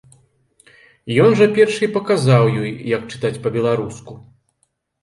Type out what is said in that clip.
Ён жа першы і паказаў ёй, як чытаць па-беларуску.